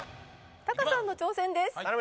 タカさんの挑戦です。